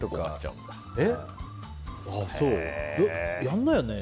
やらないよね？